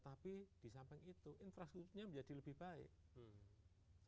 tapi di samping itu infrastrukturnya menjadi lebih baik